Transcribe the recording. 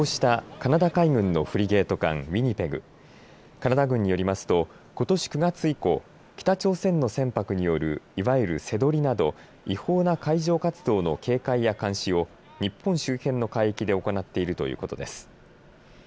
カナダ軍によりますと、ことし９月以降、北朝鮮の船舶によるいわゆる瀬取りなど違法な海上活動の警戒や監視を日本周辺の海域で行っているということです。